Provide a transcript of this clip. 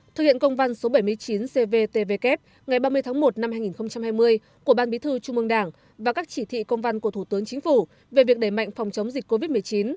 thực hiện công văn số bảy mươi chín cvtvk ngày ba mươi tháng một năm hai nghìn hai mươi của ban bí thư trung mương đảng và các chỉ thị công văn của thủ tướng chính phủ về việc đẩy mạnh phòng chống dịch covid một mươi chín